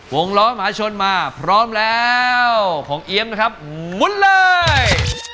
ล้อมหาชนมาพร้อมแล้วของเอี๊ยมนะครับหมุนเลย